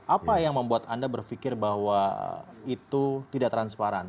apa yang membuat anda berpikir bahwa itu tidak transparan